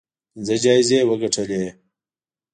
پنځه جایزې وګټلې